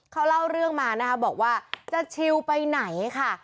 เขาเล่าเรื่องมานะคะบอกว่าจะชิลไปไหนค่ะ